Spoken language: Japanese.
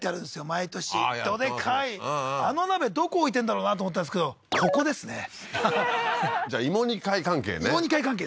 毎年どでかいあの鍋どこ置いてんだろうなと思ってたんですけどここですねははははっじゃあ芋煮会関係ね芋煮会関係